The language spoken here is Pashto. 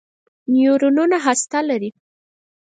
نیورونونه هسته لري.